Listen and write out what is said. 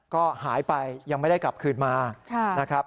ก็หายไปยังไม่ได้กลับคืนมานะครับ